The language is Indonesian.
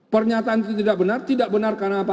pernyataan itu tidak benar tidak benar karena apa